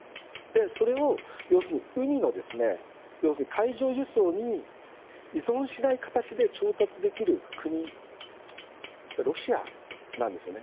それを要するに海の海上輸送に依存しない形で調達できる国はロシアなんですよね。